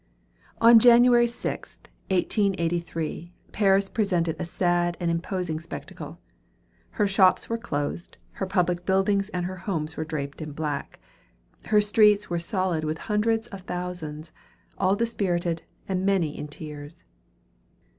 On January 6, 1883, Paris presented a sad and imposing spectacle. Her shops were closed; her public buildings and her homes were draped in black. Her streets were solid with hundreds of thousands, all dispirited, and many in tears.